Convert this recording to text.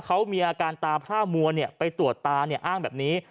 เขามีอาการตาพร่ามัวไปตรวจตาอ้างแบบนี้